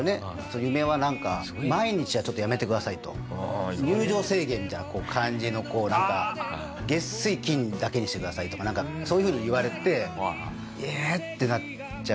その夢はなんか「毎日はちょっとやめてください」と。入場制限みたいな感じのこうなんか月水金だけにしてくださいとかなんかそういうふうに言われてええっ！？ってなっちゃう感じ。